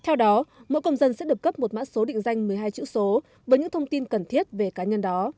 theo đó mỗi công dân sẽ được cấp một mã số định danh một mươi hai chữ số với những thông tin cần thiết về cá nhân đó